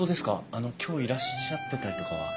あの今日いらっしゃってたりとかは。